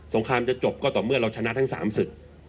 งครามจะจบก็ต่อเมื่อเราชนะทั้ง๓ศึก